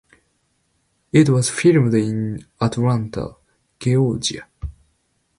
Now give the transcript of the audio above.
It was filmed in Atlanta, Georgia.